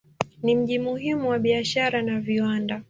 Ni mji muhimu wa biashara na viwanda.